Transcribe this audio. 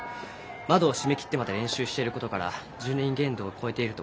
窓を閉めきってまで練習している事から受忍限度を超えているとは言い難い。